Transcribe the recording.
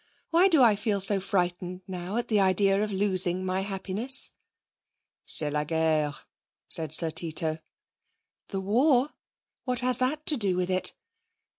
Why do I feel so frightened now at the idea of losing my happiness?' 'C'est la guerre,' said Sir Tito. 'The war? What has that to do with it?'